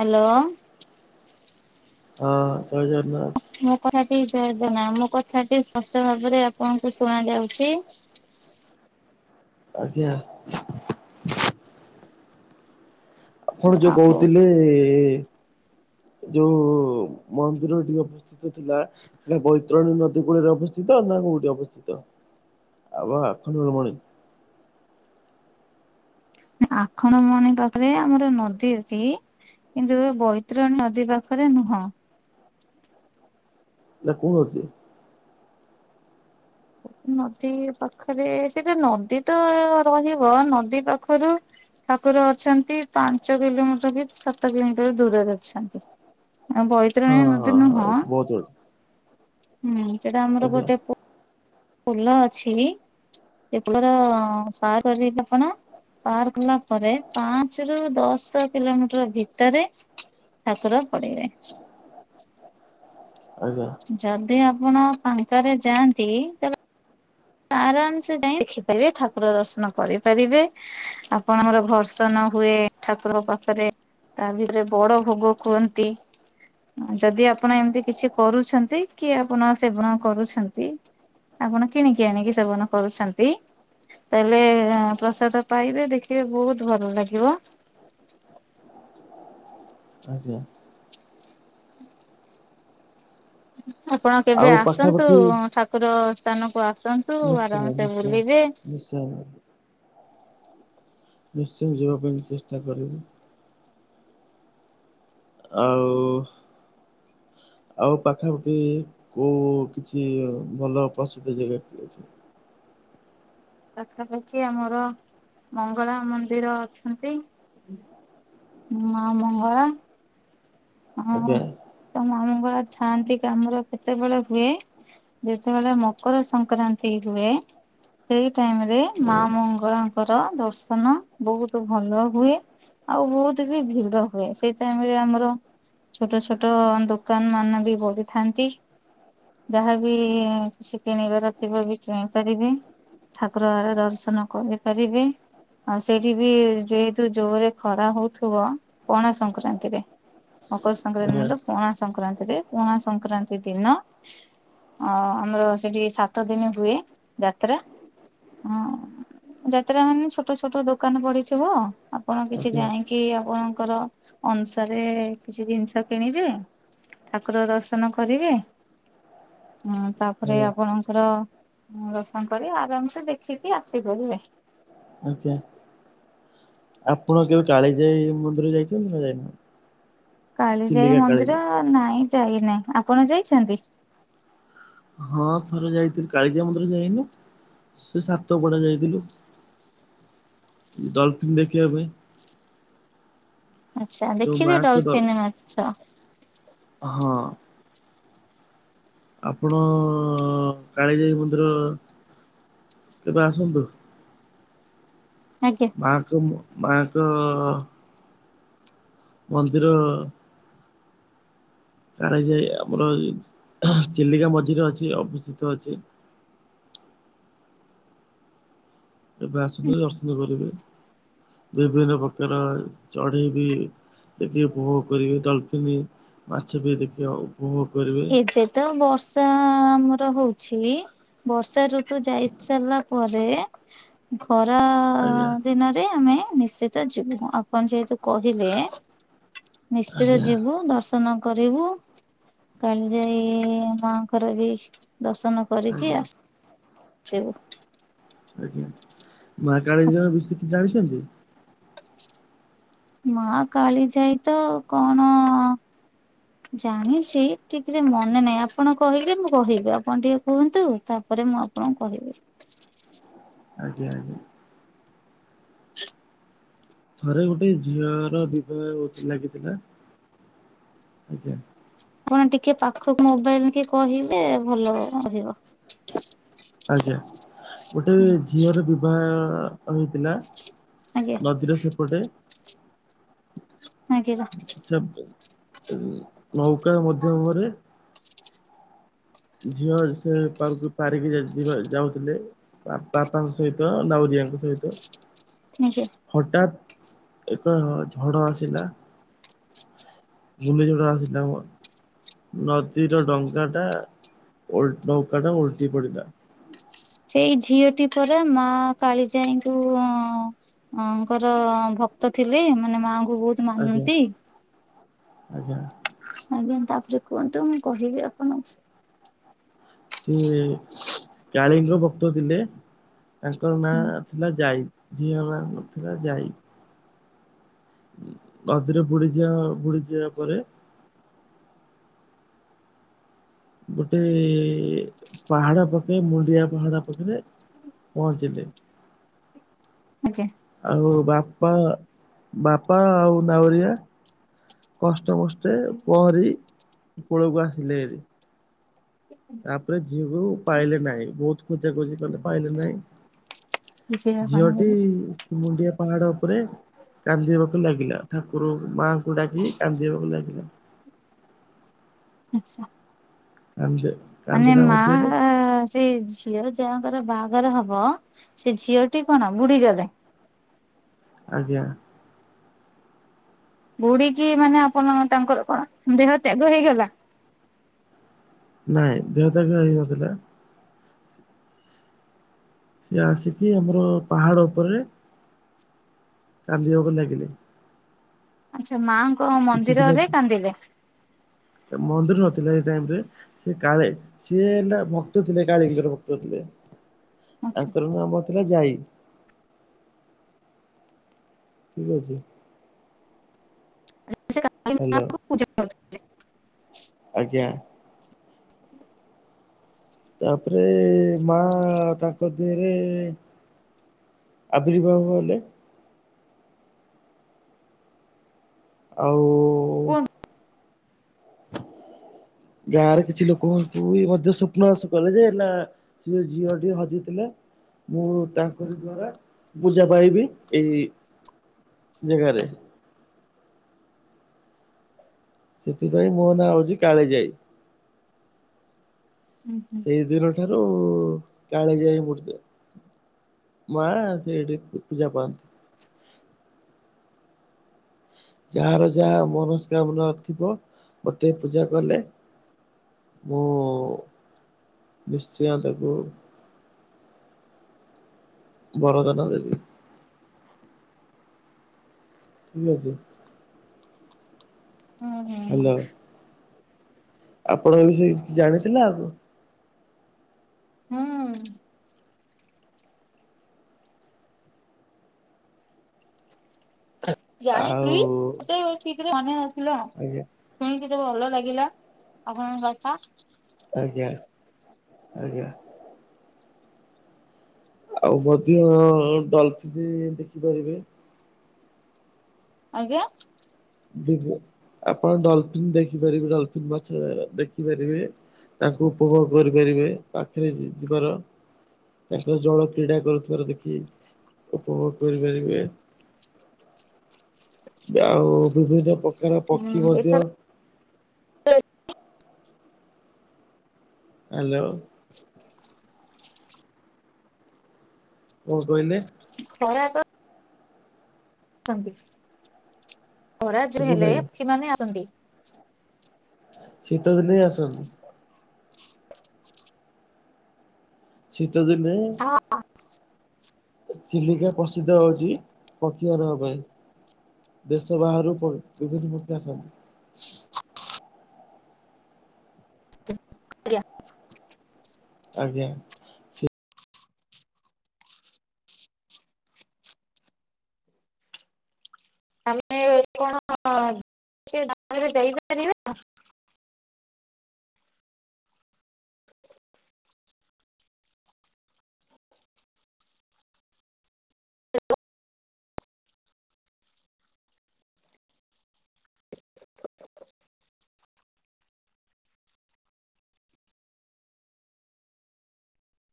Hello. ହଁ ଜୟ ଜଗନ୍ନାଥ। ମୋ କଥାଟି ଜୟଦନା ମୋ କଥାଟି ସ୍ପଷ୍ଟ ଭାବରେ ଆପଣଙ୍କୁ ଶୁଣ ଯାଉଛି। ଆଜ୍ଞା। ଆପଣ ଯୋଉ ଆହୋ କହୁଥିଲେ ଯୋଉ ମନ୍ଦିର ଟିକେ ଅ ଉପସ୍ଥିତ ଥିଲା। ହେ ବୈତରଣୀ ନଦୀ କୂଳରେ ଅବସ୍ଥିତ ନା କୋଉଠି ଅବସ୍ଥିତ ବାବା ଆଖଣ୍ଡଳ ମଣି। ଆଖଣ୍ଡଳମଣି ପାଖରେ ଆମର ନଦୀ ଅଛି। କିନ୍ତୁ ଏ ବୈତରଣୀ ନଦୀ ପାଖରେ ନୁହଁ। ନା କଣ ଅଛି? ନଦୀ ପାଖରେ ସେଟା ନଦୀ ତ ରହିବ ନଦୀ ପାଖରୁ ଠାକୁର ଅଛନ୍ତି ପାଞ୍ଚ କିଲୋମିଟର କି ସାତ କିଲୋମିଟର ଦୂରରେ ଅଛନ୍ତି। ହଁ ବୈତରଣୀ ହଁ ନଦୀ ନୁହଁ ହଁ ବହୁତ ବଡ଼ ହୁଁ ସେଟା ଆମର ଆଜ୍ଞା। ଗୋଟେ ଫୁଲ ଅଛି ସେ ଫୁଲର ସାର କରି କଣ? ପାର ଗଲା ପରେ ପାଞ୍ଚ ରୁ ଦଶ କିଲୋମିଟର ଭିତରେ ଠାକୁର ପଡିବେ। ଆଜ୍ଞା। ଯଦି ଆପଣ ଫାଙ୍କାରେ ଯାଆନ୍ତି ତ ଆରାମସେ ଯାଇ ଦେଖିପାରିବେ ଠାକୁର ଦର୍ଶନ କରିପାରିବେ। ଆପଣଙ୍କର ଘର୍ଷଣ ହୁଏ ଠାକୁରଙ୍କ ପାଖରେ। ତା ଭିତରେ ବଡ ଭୋଗ କୁହନ୍ତି। ଯଦି ଆପଣ ଏମିତି କିଛି କରୁଛନ୍ତି କି ଆପଣ ସେବନ କରୁଛନ୍ତି। ଆପଣ କିଣିକି ଆଣିକି ସେବନ କରୁଛନ୍ତି। ତାେହେଲେ ପ୍ରସାଦ ପାଇବେ ଦେଖିବେ ବହୁତ ଭଲ ଲାଗିବ। ଆଜ୍ଞା। [inaudible] ଆପଣ କେବେ ଆଉ ଆସନ୍ତୁ ପାଖାପାଖି ଠାକୁର ସ୍ଥାନକୁ ଆସନ୍ତୁ ନିଶ୍ଚୟ ଆରାମସେ ନିଶ୍ଚୟ। ବୁଲିବେ। ନିଶ୍ଚୟ। ନିଶ୍ଚୟ ଯିବା ପାଇଁ ଚେଷ୍ଟା କରିବି। ଆଉ ଆଉ ପାଖାପାଖି କୋଉ କିଛି ଭଲ ପ୍ରସିଦ୍ଧ ଜାଗା କି ଅଛି? ପାଖାପାଖି ଆମର ମଙ୍ଗଳା ମନ୍ଦିର ଅଛନ୍ତି। ମା ମଙ୍ଗଳା। ହଁ ଆଜ୍ଞା ତ ମା ମଙ୍ଗଳା ଥାଆନ୍ତି କାମର କେତେବେଳେ ହୁଏ ଯେତେବେଳେ ମକର ସଂକ୍ରାନ୍ତି ହୁଏ। ସେଇ ଟାଇମରେ ମା ମଙ୍ଗଳାଙ୍କର ଦର୍ଶନ ବହୁତ ଭଲ ହୁଏ। ଆଉ ବହୁତ ବି ଭିଡ ହୁଏ ସେଇ ଟାଇମରେ ଆମର ଛୋଟ ଛୋଟ ଦୋକାନମାନ ବି ବହିଥାନ୍ତି। ଯାହାବି କିଛି କିଣିବାର ଥିବ ବି କିଣି ପାରିବେ। ଠାକୁର ଆଡେ ଦର୍ଶନ କରିପାରିବେ। ଆଉ ସେଇଠି ବି ଯେହେତୁ ଜୋରରେ ଖରା ହଉଥିବ ପଣା ସଂକ୍ରାନ୍ତିରେ। ମକର ସଂକ୍ରାନ୍ତି ଆଜ୍ଞା ନୁହଁ ପଣା ସଂକ୍ରାନ୍ତିରେ ପଣା ସଂକ୍ରାନ୍ତି ଦିନ ଅ ଆମର ସେଠି ସାତ ଦିନ ହୁଏ ଯାତ୍ରା। ହଁ ଯାତ୍ରାମାନେ ଛୋଟ ଛୋଟ ଦୋକାନ ପଡିଥିବ। ଆପଣ କିଛି ଆଜ୍ଞା। ଯାଇକି ଆପଣଙ୍କର ଅନୁସାରେ କିଛି ଜିନିଷ କିଣିବେ ଠାକୁର ଦର୍ଶନ କରିବେ ଆଉ ତାପରେ ଆଜ୍ଞା ଆପଣଙ୍କର ଦର୍ଶନ କରି ଆରାମସେ ଦେଖିକି ଆସିପାରିବେ। ଆଜ୍ଞା ଆପଣ କେବେ କାଳିଜାଇ ମନ୍ଦିର ଯାଇଛନ୍ତି ନା ଯାଇନାହାନ୍ତି? କାଳିଯାଇ ଚିଲିକା ମନ୍ଦିର କାଳିଜାଇ? ନାଇଁ ଯାଇ ନାହିଁ ଆପଣ ଯାଇଛନ୍ତି? ହଁ ଥରେ ଯାଇଥିଲି କାଳିଜାଇ ମନ୍ଦିର ଯାଇନି। ସେ ସାତପଡା ଯାଇଥିଲି। ଡଲଫିନ ଦେଖିବା ପାଇଁ। ଆଚ୍ଛା ଯୋଉ ଦେଖିଲେ ମାଙ୍କ ଡ ଡଲଫିନ ମାଛ। ହଁ। ଆପଣ କାଳିଜାଇ ମନ୍ଦିର କେବେ ଆସନ୍ତୁ? ଆଜ୍ଞା। [unintelligible] ମାଆଙ୍କ ମନ୍ଦିର କାଳିଜାଇ ଆମର ହଁ ଚିଲିକା ମଝିରେ ଅଛି ଅବସ୍ଥିତ ଅଛି। କେବେ ଆସନ୍ତୁ ଦର୍ଶନ କରିବେ ବିଭିନ୍ନ ପ୍ରକାର ଚଢେଇ ବିି ଦେଖିକି ଉପଭୋଗ କରିବେ ଡଲଫିନ୍ ମାଛ ବି ଦେଖିବେ। ଉପଭୋଗ କରିବେ। ଏଇଥି ତ ବର୍ଷା ଆ ଆମର ହଉଛି। ବର୍ଷାଋତୁ ଯାଇ ସାରିଲା ପରେ ଖରା ଆଜ୍ଞା ଦିନରେ ଆମେ ନିଶ୍ଚିତ ଯିବୁ ଆପଣ ଯେହେତୁ କହିଲେ ନିଶ୍ଚିତ ଆଜ୍ଞା ଯିବୁ ଦର୍ଶନ କରିବୁ। କାଳିଜାଈ ମାଙ୍କର ବି ଦର୍ଶନ କରିକି ଆଜ୍ଞା ଆସି ଆସିବୁ। ଆଜ୍ଞା ମା କାଳିଜାଈ ବିଷୟରେ କିଛି ଜାଣିଛନ୍ତି? ମା କାଳିଜାଈ ତ କଣ ଜାଣିଛି ଠିକରେ ମନେ ନାହିଁ ଆପଣ କହିଲେ ମୁଁ କହିବି ଆପଣ ଟିକେ କୁହନ୍ତୁ ତାପରେ ମୁଁ କଣ କହିବି? ଆଜ୍ଞା ଆଜ୍ଞା। ଥରେ ଗୋଟେ ଝିଅର ବିବାହ ଅ ଲାଗିଥିଲା ଆଜ୍ଞା। ଆପଣ ଟିକେ ପାଖକୁ ମୋବାଇଲେ କହିଲେ ଭଲ ଅ ରହିବ। ଆଜ୍ଞା ଗୋଟେ ଝିଅର ବିବାହ ହେଇଥିଲା ଆଜ୍ଞା ନଦୀର ସେପଟେ ଆଜ୍ଞା ସେ ନୌକା ମଧ୍ଯମରେ ଝିଅ ସେ ପାରୁ ପାରିକି ଯା ଯିବା ଯାଉଥିଲେ? ବାପା ବାପାଙ୍କ ସହିତ ନୌରିଆଙ୍କ ସହିତ ଆଜ୍ଞା। ହଠାତ୍ ଏକ ଝଡ ଆସିଲା। ଘୂର୍ଣ୍ଣି ଝଡ଼ ଆସିଲା ମ ନଦୀର ଡଙ୍କା ଟା। ଓଲ୍ ନୌକାଟା ଓଲଟି ପଡ଼ିଲା। ସେଇ ଝିଅଟି ପରେ ମା କାଳି ଯାାଇଙ୍କୁ ଅ ଅଙ୍କର ଭକ୍ତ ଥିଲେ। ମାନେ ମାଆଙ୍କୁ ବହୁତ ଆଜ୍ଞା ମାନନ୍ତି ଆଜ୍ଞା। ଆଜ୍ଞା ତାପରେ କୁହନ୍ତୁ ମୁଁ କହିବି ଆପଣ ସିଏ କାଳିଙ୍କ ଭକ୍ତ ଥିଲେ। ତାଙ୍କର ନାଁ ଥିଲା ଜାଇ। ଝିଅ ମା ନଥିଲା ଯାଇ। ମଝିରେ ବୁଡିଯିବା ବୁଡିଯିବା ପରେ ଗୋଟେ ପାହାଡ ପକେଇ ମୁଣ୍ଡିଆ ପାହାଡ ପଖରେ ପହଞ୍ଚିଲି। ଆଜ୍ଞା ଆଉ ବାପା ବାପା ଆଉ ନାଉରିଆ କଷ୍ଟ କଷ୍ଟ- ଗଟେ ପହଁର ପୋଳକୁ ଆସିଲେ ଏରି। ତାପରେ ଝିଅକୁ ପାଇଲେ ନାହିଁ। ବହୁତ ଖୋଜା ଖୋଜି କଲେ ପାଇଲେ ନାହିଁ। ଝିଅ ପାଣି ଝିଅଟି ଦେଲେ ମୁୁଣ୍ଡିଆ ପାହାଡ ଉପରେ କାନ୍ଦିବାକୁ ଲାଗିଲା। ଠାକୁର ମାଆଙ୍କୁ ଡାକି କାନ୍ଦିବାକୁ ଲାଗିଲା। ଆଛା। ଆଁ ଯେ ମାନେ ମା ସେ ଝିଅ ଯାହାଙ୍କର ବାହାଘର ହବ ସେ ଝିଅଟି କଣ ବୁଡି ଗଲେ। ଆଜ୍ଞା। ବୁଡିକି ମାନେ ଆପଣ ତାଙ୍କର କଣ ଦେହ ତ୍ୟାଗ ହେଇଗଲା? ନାଇଁ ଦେହତ୍ୟାଗ ହେଇନଥିଲା। ସିଏ ଆସିକି ଆମର ପାହାଡ଼ ଉପରେ କାନ୍ଦିବାକୁ ଲାଗିଲେ। ଆଚ୍ଛା ମାଆଙ୍କ କିଛି ଦିନ ମନ୍ଦିରରେ କାନ୍ଦିଲେ। ମନ୍ଦିର ନଥିଲା ସେଇ ଟାଇମରେ। ସେ କାଳେ ସିଏ ହେଲା ଭକ୍ତ ଥିଲେ କାଳେଜର ଭକ୍ତ ଥିଲେ। ଆଚ୍ଛା ଆଙ୍କର ନବଥିଲା ଯାଇ ଠିକ ଅଛି। ସେ କାଳୀ ହାଲୋ। ମାଙ୍କୁ ପୂଜା କର ଆଜ୍ଞା। ତାପରେ ମା ତାଙ୍କ ଦେହରେ ଆବିର୍ଭାବ ହେଲେ। ଆଉ କୁହନ୍ତୁ ଗାଁ ର କିଛି ଲୋକଙ୍କୁ ବି ମଧ୍ୟ ସ୍ୱପ୍ନ ଆସୁ କଲେ ଯେ ନା ସେ ଝିଅଟି ହଜିଥିଲା। ମୁଁ ତାଙ୍କରି ଦ୍ଵାରା ପୂଜା ପାଇବି। ଏଇ ଜାଗାରେ। ସେଥିପାଇଁ ମୋ ନାଁ ହଉଚି କାଳି ଯାଇ। ହୁଁ ସେଇ ଦିନ ଠାରୁ କାଳିଯାଇ ମୂର୍ତ୍ତି ମା ସେଇଠି ପୂଜା ପାଆନ୍ତି। ଯାହାର ଯାହା ମନସ୍କାମନା ଥିବ ମତେ ପୂଜା କଲେ ମୁଁ ନିଶ୍ଚୟ ତାକୁ ବର ଦାନ ଦେବି। ଠିକ ଅଛି। ହଁ ହଁ ହଁ। ଆପଣ ଏଇ ବିଷୟରେ କିଛି ଜାଣିଥିଲେ ଆଗରୁ? ହୁଁ। ଆଉ ଜାଣିଚି ଏତେ ଠିକ୍ ରେ ଜାଣି ନଥିଲେ ଆଉ। ଆଜ୍ଞା। ଶୁଣିକି ତ ଭଲ ଲାଗିଲା ଆପଣଙ୍କ କଥା। ଆଜ୍ଞା ଆଜ୍ଞା। ଆଉ ମଧ୍ୟ ଡ଼ଲଫିନି ଦେଖିପାରିବେ। ଆଜ୍ଞା ଭିଡ଼ିଓ ଆପଣ ଡ଼ଲଫିନ୍ ଦେଖିପାରିବେ ଡ଼ଲଫିନ୍ ମାଛ ଦେଖିପାରିବେ। ତାଙ୍କୁ ଉପଭୋଗ କରିପାରିବେ ପାଖରେ ଯି ଯିବାର। ତାଙ୍କର ଜଳ କ୍ରୀଡ଼ା କରୁଥିବାର ଦେଖି ଉପଭୋଗ କରିପାରିବେ। ଆଉ ବିଭିନ୍ନ ପ୍ରକାର ହୁଁ ପକ୍ଷୀ ମଧ୍ୟ ଏଥର ହ୍ୟାଲୋ। କଣ କହିଲେ? ଖରା ତ ତଂବୀଜ ଖରା ଯେ ହେଲେ ଶୁଭୁନାହିଁ ପକ୍ଷୀମାନେ ଆସନ୍ତି। ଶୀତ ଦିନେଇ ଆସନ୍ତି। ଶୀତ ଦିନେ ହଁ ଅଁ। ଚିଲିକା ପ୍ରସିଦ୍ଧ ହଉଚି ପକ୍ଷୀ ମାନଙ୍କ ପାଇଁ। ଦେଶ ବାହାରୁ ପ ବିଭିନ୍ନ ପକ୍ଷୀ ଆସନ୍ତି। [unintelligible] ଆଜ୍ଞା। ଆମେ କଣ [unintelligible] ପାରିବା।